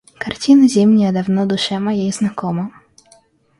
Картина зимняя давно душе моей знакома.